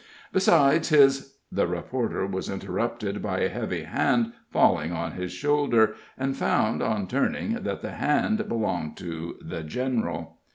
Besides, his " The reporter was interrupted by a heavy hand falling on his shoulder, and found, on turning, that the hand belonged to "The General."